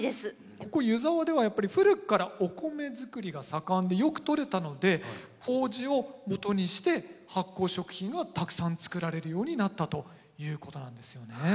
ここ湯沢ではやっぱり古くからお米作りが盛んでよくとれたので麹をもとにして発酵食品がたくさんつくられるようになったということなんですよね。